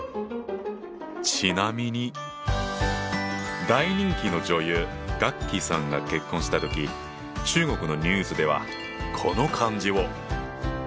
ちなみに大人気の女優ガッキーさんが結婚した時中国のニュースではこの漢字を！